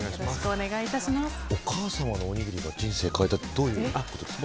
お母様のおにぎりが人生を変えたってどういうことですか？